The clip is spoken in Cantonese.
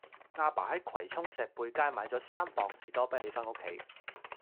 亞爸喺葵涌石貝街買左三磅士多啤梨返屋企